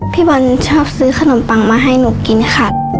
พี่บอลชอบซื้อขนมปังมาให้หนูกินค่ะ